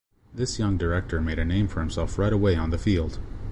This young director made a name for himself right away on the field.